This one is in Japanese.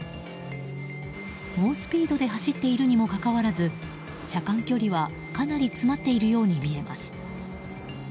猛スピードで走っているにもかかわらず車間距離は、かなり詰まっているように見えます。